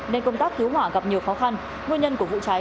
nên công tác cứu hỏa gặp nhiều khó khăn